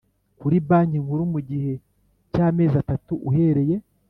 kuri Banki Nkuru mu gihe cy amezi atatu uhereye